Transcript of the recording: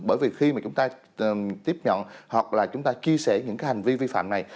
bởi vì khi mà chúng ta tiếp nhận hoặc là chúng ta chia sẻ những cái hành vi vi phạm này